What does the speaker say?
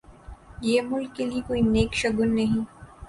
یہ ملک کے لئے کوئی نیک شگون نہیں۔